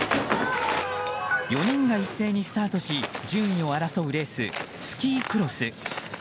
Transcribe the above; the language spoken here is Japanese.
４人が一斉にスタートし順位を争うレーススキークロス。